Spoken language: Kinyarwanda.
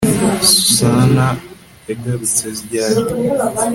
Susana yagarutse ryari